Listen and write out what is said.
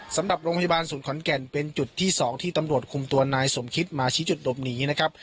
สำหรับโรงพยาบาลศูนย์ขอนแก่นเป็นจุดที่๒ที่ตำรวจคุมตัวนายสมคิดมาชี้จุดหลบหนีนะครับ